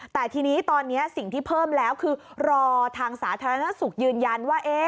แต่ทีนี้ตอนนี้สิ่งที่เพิ่มแล้วคือรอทางสาธารณสุขยืนยันว่า